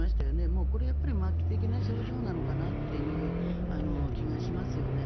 もうこれは末期的な症状なのかなという気がしますよね。